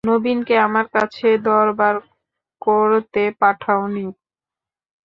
নবীনকে আমার কাছে দরবার করতে পাঠাও নি?